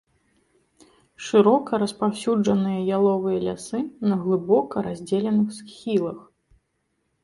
Шырока распаўсюджаныя яловыя лясы на глыбока раздзеленых схілах.